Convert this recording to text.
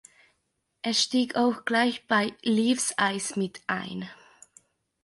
Er stieg auch gleich bei Leaves’ Eyes mit ein.